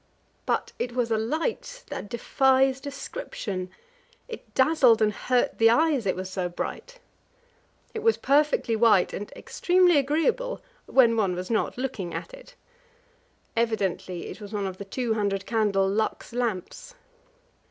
But it was a light that defies description; it dazzled and hurt the eyes, it was so bright. It was perfectly white and extremely agreeable when one was not looking at it. Evidently it was one of the 200 candle Lux lamps.